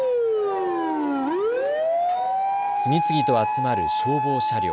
次々と集まる消防車両。